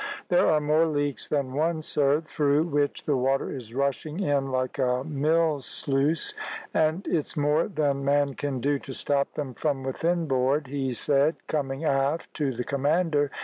"There are more leaks than one, sir, through which the water is rushing in like a mill sluice; and it's more than man can do to stop them from within board," he said, coming aft to the commander.